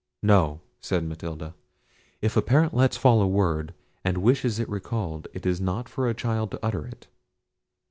"No," said Matilda, "if a parent lets fall a word, and wishes it recalled, it is not for a child to utter it."